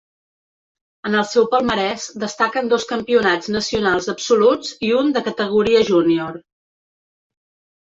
En el seu palmarès destaquen dos campionats nacionals absoluts i un de categoria júnior.